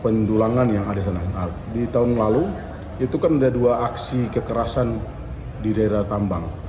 pendulangan yang ada di tahun lalu itu kan ada dua aksi kekerasan di daerah tambang